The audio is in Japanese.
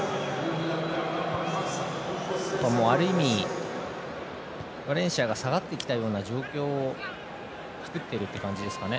ある意味、バレンシアが下がってきた状況を作っているという感じですかね。